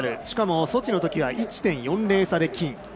しかも、ソチのときは１．４０差で金。